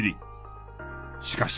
しかし。